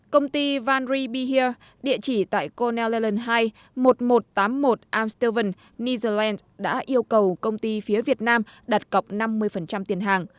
công ty vanry behere địa chỉ tại cornell island hai một nghìn một trăm tám mươi một armstrong new zealand đã yêu cầu công ty phía việt nam đặt cọc năm mươi tiền hàng